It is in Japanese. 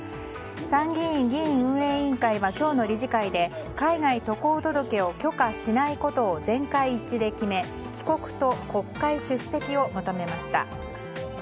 参議院議院運営委員会は今日の理事会で、海外渡航届を許可しないことを全会一致で決め帰国と国会出席を求めました。